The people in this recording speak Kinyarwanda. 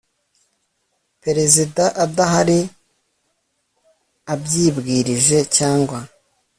Perezida adahari abyibwirije cyangwa